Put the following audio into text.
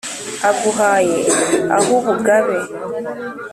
aguhaye ah’ubugabe